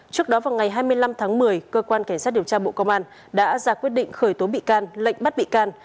trước đó vào ngày hai mươi năm tháng một mươi cơ quan cảnh sát điều tra bộ công an đã ra quyết định khởi tố bị can lệnh bắt bị can